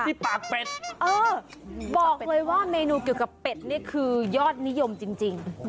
ที่ปากเป็ดเออบอกเลยว่าเมนูเกี่ยวกับเป็ดนี่คือยอดนิยมจริง